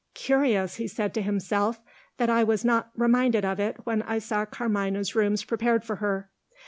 "Curious," he said to himself, "that I was not reminded of it, when I saw Carmina's rooms prepared for her."